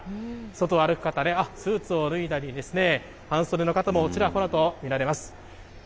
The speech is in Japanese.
外を歩く方ね、あっ、スーツを脱いだりですね、半袖の方もちらほらと見られます。